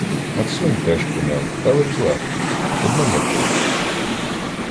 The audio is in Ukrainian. Максим теж куняв, та лиш злегка — одним оком.